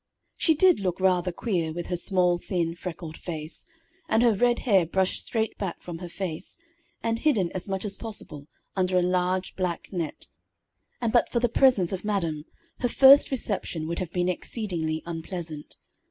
She did look rather queer, with her small, thin, freckled face, and her red hair brushed straight back from her face, and hidden as much as possible under a large, black net, and but for the presence of madam, her first reception would have been exceedingly unpleasant.